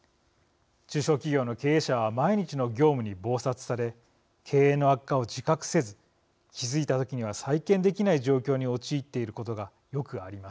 中小企業の経営者は毎日の業務に忙殺され経営の悪化を自覚せず気付いた時には再建できない状況に陥っていることがよくあります。